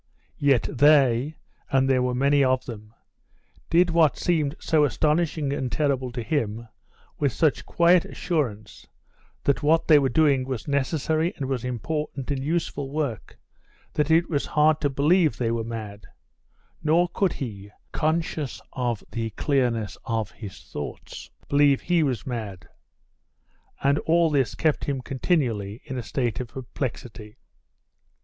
Yet they (and there were many of them) did what seemed so astonishing and terrible to him with such quiet assurance that what they were doing was necessary and was important and useful work that it was hard to believe they were mad; nor could he, conscious of the clearness of his thoughts, believe he was mad; and all this kept him continually in a state of perplexity.